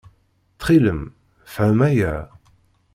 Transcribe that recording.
Ttxil-m, fhem aya.